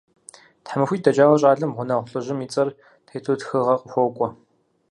ТхьэмахуитӀ дэкӀауэ щӀалэм гъунэгъу лӀыжьым и цӀэр тету тхыгъэ къыхуокӀуэ.